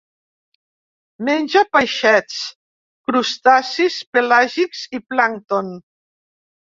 Menja peixets, crustacis pelàgics i plàncton.